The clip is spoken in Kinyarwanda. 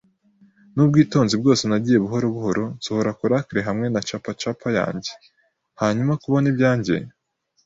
nubwitonzi bwose, nagiye buhoro buhoro nsohora coracle hamwe na cap-capa yanjye; hanyuma, kubona ibyanjye